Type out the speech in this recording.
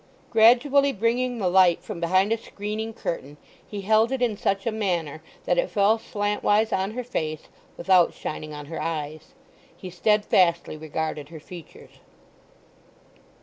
Gradually bringing the light from behind a screening curtain he held it in such a manner that it fell slantwise on her face without shining on her eyes. He steadfastly regarded her features.